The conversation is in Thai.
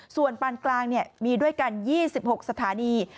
ส่วนปานกลางมีด้วยกัน๒๖สถานี